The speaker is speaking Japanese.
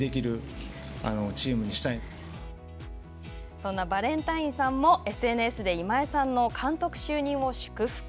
そんなバレンタインさんもＳＮＳで今江さんの監督就任を祝福。